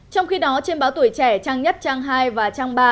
trong khi đó trên báo tuổi trẻ trang nhất trang hai và trang ba